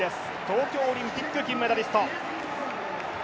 東京オリンピック銀メダリスト。